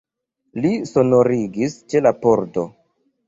Li sonorigis ĉe la pordo.